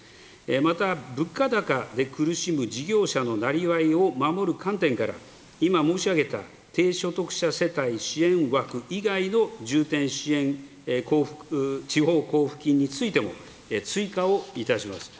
また、物価高で苦しむ事業者のなりわいを守る観点から、今申し上げた、低所得者世帯支援枠以外の重点支援地方交付金についても、追加をいたします。